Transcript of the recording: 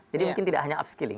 mungkin tidak hanya upskilling